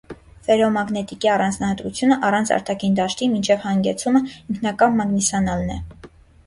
Ֆերոմագնետիկի առանձնահատկությունը՝ առանց արտաքին դաշտի, մինչև հագեցումը, ինքնակամ մագնիսանալն է։